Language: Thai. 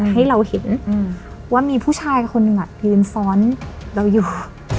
ให้เราเห็นว่ามีผู้ชายคนหนึ่งยืนซ้อนเราอยู่